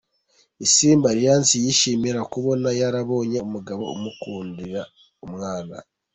Isimbi Alliance yishimira kubona yarabonye umugabo umukundira umwana.